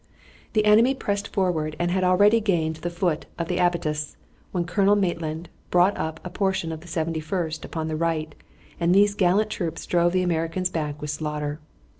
The enemy pressed forward and had already gained the foot of the abattis, when Colonel Maitland brought up a portion of the Seventy first upon the right, and these gallant troops drove the Americans back with slaughter.